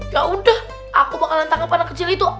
yaudah aku bakalan tangkep anak kecil itu